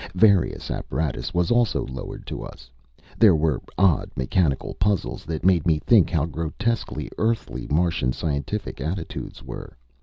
Various apparatus was also lowered to us. There were odd mechanical puzzles that made me think how grotesquely Earthly Martian scientific attitudes were.